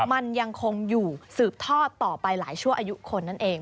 มันยังคงอยู่สืบทอดต่อไปหลายชั่วอายุคนนั่นเอง